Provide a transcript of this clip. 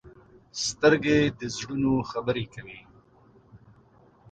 سترګې د زړونو خبرې کوي